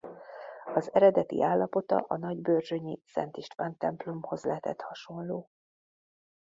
Az eredeti állapota a nagybörzsönyi Szent István-templomhoz lehetett hasonló.